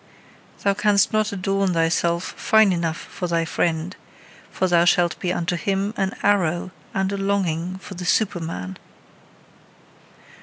Thou canst not adorn thyself fine enough for thy friend; for thou shalt be unto him an arrow and a longing for the Superman.